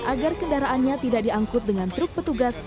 agar kendaraannya tidak diangkut dengan truk petugas